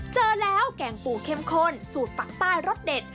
เจอแล้วแกงปูเข้มข้นสูตรปักใต้รสเด็ด